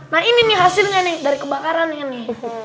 nah ini nih hasilnya nih dari kebakaran ini